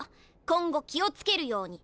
今後気を付けるように。